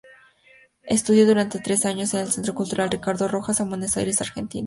Estudió durante tres años en el Centro Cultural Ricardo Rojas en Buenos Aires, Argentina.